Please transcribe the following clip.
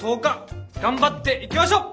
頑張っていきましょう！